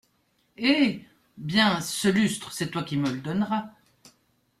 Eh ! bien, ce lustre, c’est toi qui me le donneras.